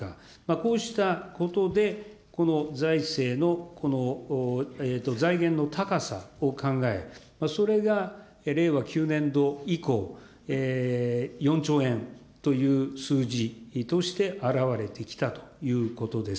こうしたことで、財源の高さを考え、それが令和９年度以降、４兆円という数字として表れてきたということです。